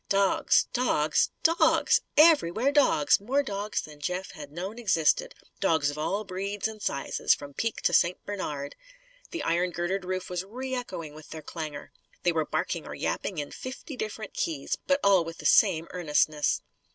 Dogs dogs DOGS! Everywhere dogs more dogs than Jeff had known existed dogs of all breeds and sizes, from Peke to St. Bernard. The iron girdered roof was re echoing with their clangour. They were barking or yapping in fifty different keys, but all with the same earnestness.